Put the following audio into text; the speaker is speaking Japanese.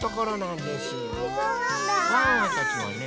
ワンワンたちはね